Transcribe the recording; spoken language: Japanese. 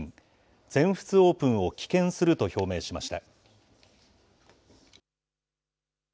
全仏オープンを棄権すると表明しました。